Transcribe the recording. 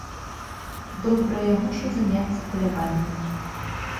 Добра, я мушу заняцца паляваннем.